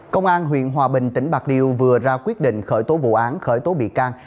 công an huyện hòa bình tỉnh bạc liêu vừa ra quyết định khởi tố vụ án khởi tố bị can